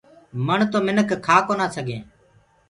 مڻ تو منک کآ ڪونآ سگھينٚ۔